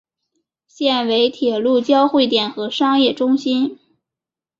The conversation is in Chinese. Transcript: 现为铁路交会点和商业中心。